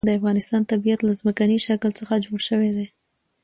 د افغانستان طبیعت له ځمکنی شکل څخه جوړ شوی دی.